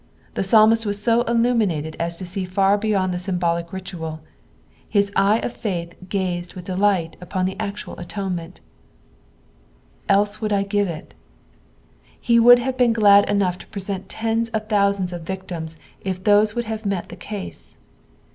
The psalmistwas so illuminated as to see far beyond the symbolic ritual j his eye of faith gazed with delight upon the octtul atonement. "EU» would I gitnit,"'0 ^« would have been glad enough to present tens of thousands of 156 EXPOSinOHS OP THB PSALUS. victtmi if these would have met the case.